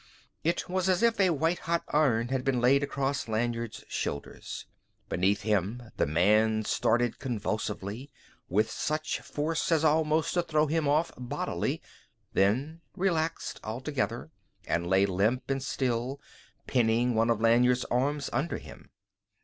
It was as if a white hot iron had been laid across Lanyard's shoulder. Beneath him the man started convulsively, with such force as almost to throw him off bodily, then relaxed altogether and lay limp and still, pinning one of Lanyard's arms under him.